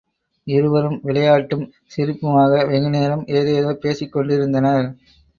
இருவரும் விளையாட்டும் சிரிப்புமாக வெகுநேரம் ஏதேதோ பேசிக் கொண்டிருந்தனர்.